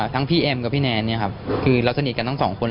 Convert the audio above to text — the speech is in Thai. พี่แอมกับพี่แนนเนี่ยครับคือเราสนิทกันทั้งสองคน